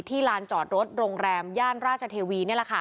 ลานจอดรถโรงแรมย่านราชเทวี